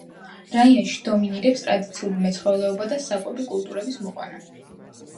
რაიონში დომინირებს ტრადიციული მეცხოველეობა და საკვები კულტურების მოყვანა.